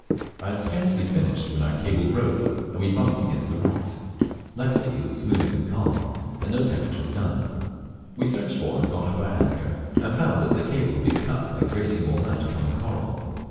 I had scarcely finished when our cable broke, and we bumped against the rocks. Luckily it was smooth and calm, and no damage was done. We searched for and got up our anchor, and found teat the cable had been cut by grating all night upon the coral.